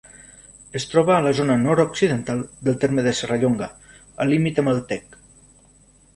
Es troba a la zona nord-occidental del terme de Serrallonga, al límit amb el Tec.